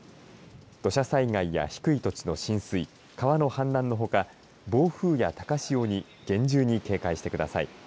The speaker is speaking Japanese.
土砂災害や低い土地の浸水、川の氾濫のほか暴風や高潮に厳重に警戒してください。